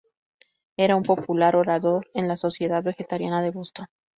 Era un popular orador en la Sociedad Vegetariana de Boston.